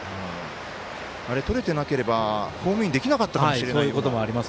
とれてなければホームインできなかったかもしれないですね。